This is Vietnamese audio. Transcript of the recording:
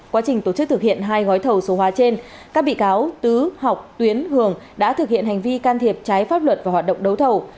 quá trình tổ chức thực hiện hai gói thầu số hóa trên các bị cáo tứ ngọc tuyến hường đã thực hiện hành vi can thiệp trái pháp luật và hoạt động đấu thầu